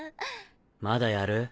まだやる？